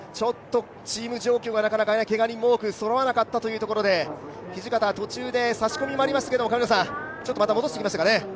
チーム状況がなかなか、けが人も多くそろわなかったということで土方、途中で差し込みもありましたけど、ちょっとまた戻してきましたかね。